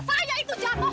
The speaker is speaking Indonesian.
apa sih apa sih